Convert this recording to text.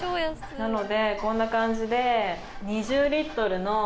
なのでこんな感じで。